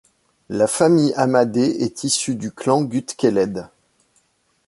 La famille Amádé est issue du clan Gutkeled.